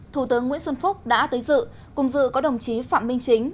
thủ tướng nguyễn xuân phúc đã tới dự cùng dự có đồng chí phạm minh chính